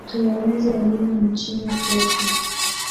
Tueneze elimu nchini kote